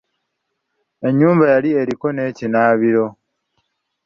Ennyumba yali eriko n'ekinaabiro.